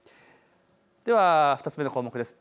では２つ目の項目です。